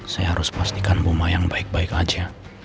saya harus pastikan bumayang baik baik aja